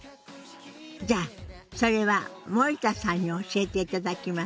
じゃあそれは森田さんに教えていただきましょうね。